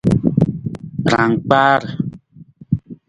Rangkpaar.